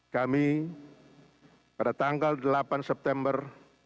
kami pada tanggal delapan september